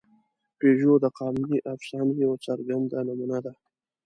پيژو د قانوني افسانې یوه څرګنده نمونه ده.